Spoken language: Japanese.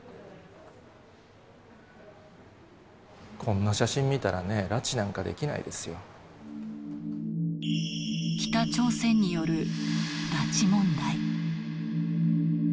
こんな写真見たらね、拉致なんか北朝鮮による拉致問題。